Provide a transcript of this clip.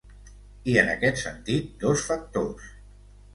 I en aquest sentit, dos factors.